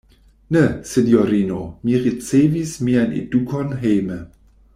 Ne, sinjorino; mi ricevis mian edukon hejme.